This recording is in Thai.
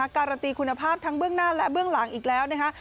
การันตีคุณภาพทั้งเบื้องหน้าและเบื้องหลังอีกแล้วนะคะ